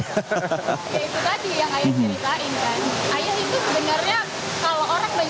ya itu tadi yang ayah ceritain kan